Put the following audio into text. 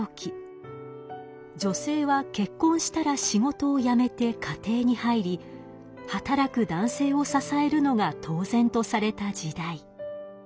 女性は結婚したら仕事を辞めて家庭に入り働く男性を支えるのが当然とされた時代。